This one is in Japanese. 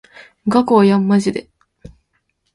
無加工やんまじで